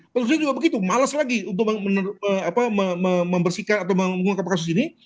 penerusnya juga begitu males lagi untuk membersihkan atau mengungkap kasus ini